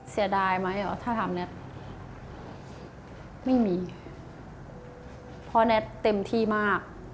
เสียดายไหมถ้าทำแท็ตไม่มีเพราะแน็ตเต็มที่มาก